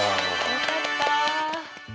よかった。